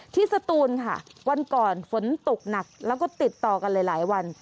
สตูนค่ะวันก่อนฝนตกหนักแล้วก็ติดต่อกันหลายวัน